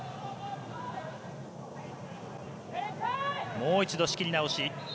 もう一度仕切り直し。